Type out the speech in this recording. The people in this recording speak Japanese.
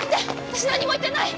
私何も言ってない！